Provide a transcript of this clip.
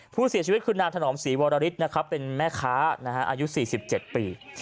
ผู้เสียชีวิตคือนางถนอมศรีวรฤทธินะครับเป็นแม่ค้าอายุ๔๗ปี